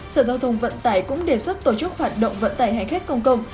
sở giao thông vận tải cũng đề xuất tổ chức hoạt động vận tải hành khách công cộng